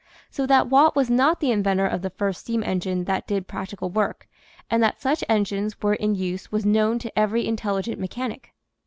So that Watt was not the inventor of the first steam engine that did practical work, and that such engines were in use was known to every intelligent mechanic.